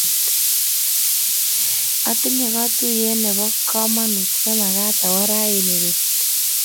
atinye katuyet ne po kamanut ne magat awo raini pet